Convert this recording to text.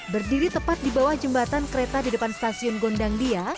berdiri tepat di bawah jembatan kereta di depan stasiun gondang dia